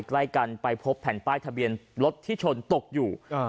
ใกล้กันไปพบแผ่นป้ายทะเบียนรถที่ชนตกอยู่อ่า